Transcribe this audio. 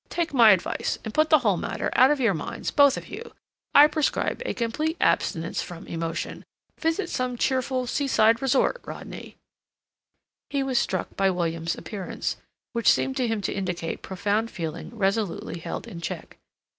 Take my advice and put the whole matter out of your minds—both of you. I prescribe a complete abstinence from emotion. Visit some cheerful seaside resort, Rodney." He was struck by William's appearance, which seemed to him to indicate profound feeling resolutely held in check.